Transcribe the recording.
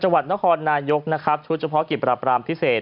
จังหวัดนครนายกนะครับชุดเฉพาะกิจปราบรามพิเศษ